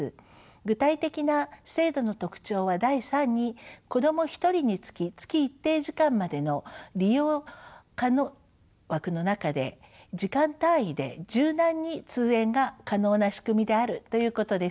具体的な制度の特徴は第３に子ども１人につき月一定時間までの利用可能枠の中で時間単位で柔軟に通園が可能な仕組みであるということです。